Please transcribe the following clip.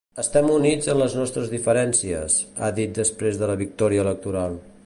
Estem units en les nostres diferències, ha dit després de la victòria electoral.